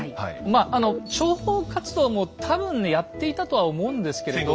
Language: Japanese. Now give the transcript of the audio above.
まあ諜報活動も多分ねやっていたとは思うんですけれど。